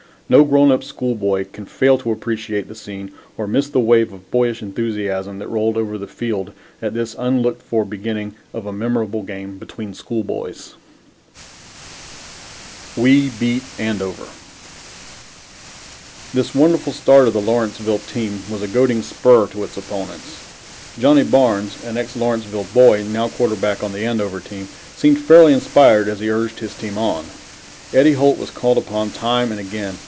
No grown up schoolboy can fail to appreciate the scene or miss the wave of boyish enthusiasm that rolled over the field at this unlooked for beginning of a memorable game between schoolboys. [Illustration: Davis MacNider Dibble de Saulles Moffat Cadwalader Edwards Walton Wentz Geer Rotter WE BEAT ANDOVER] This wonderful start of the Lawrenceville team was a goading spur to its opponents. Johnnie Barnes, an ex Lawrenceville boy, now quarterback on the Andover team, seemed fairly inspired as he urged his team on. Eddie Holt was called upon time and again.